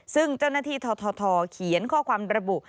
ซึ่งเจ้าหน้าที่ททเขียนข้อความระบุ